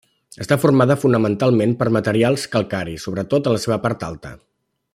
Està formada fonamentalment per materials calcaris, sobretot en la seva part alta.